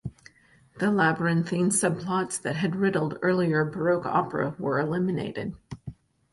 The labyrinthine subplots that had riddled earlier baroque opera were eliminated.